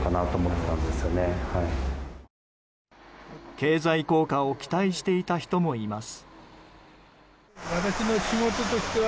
経済効果を期待していた人もいます。